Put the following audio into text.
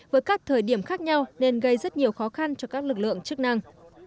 với các thời điểm khác nhau nên gây rất nhiều khó khăn cho các lực lượng chức năng